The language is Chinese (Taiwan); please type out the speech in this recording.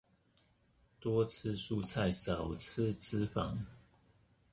多吃蔬菜少吃脂肪